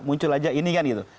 muncul aja ini kan gitu